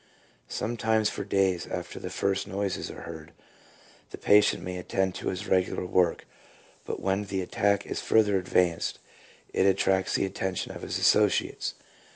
Sometimes for days after the first noises are heard the patient may attend to his regular work, but when the attack is further advanced it attracts the attention of his associates.